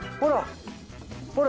ほら。